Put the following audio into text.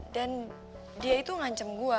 dan dia itu ngancam gue